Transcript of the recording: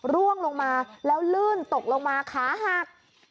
ร่วงลงมาแล้วลื่นตกลงมาขาหัก